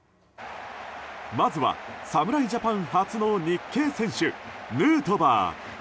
まずは侍ジャパン初の日系選手、ヌートバー。